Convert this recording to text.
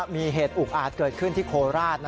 มีเหตุอุกอาจเกิดขึ้นที่โคราช